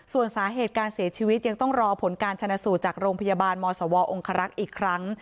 ส่วนสาเหตุการเสียชีวิตยังต้องรอผลการชนะสูตรจากโรงพยาบาลมสวองครักษ์อีกครั้ง